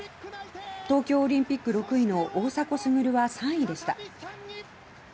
東京オリンピック６位の大迫傑は３位でした。